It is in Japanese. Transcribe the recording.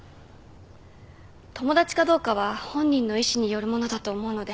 友達かどうかは本人の意思によるものだと思うので。